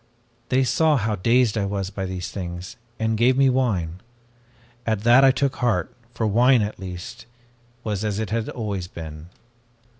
"They saw how dazed I was by these things, and gave me wine. At that I took heart, for wine, at least, was as it had always been.